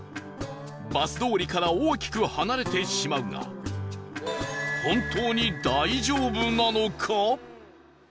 バス通りから大きく離れてしまうが本当に大丈夫なのか？